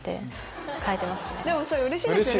でもそれうれしいですよね